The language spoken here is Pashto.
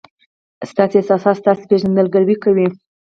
ستاسي احساسات ستاسي پېژندګلوي کوي.